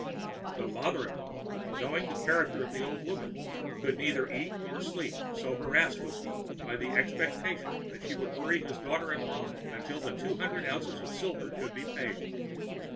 The father in law, knowing the character of the old woman, could neither eat nor sleep, so harassed was he by the expectation that she would worry his daughter in law till the two hundred ounces of silver should be paid.